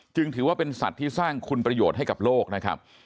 ถือว่าเป็นสัตว์ที่สร้างคุณประโยชน์ให้กับโลกนะครับ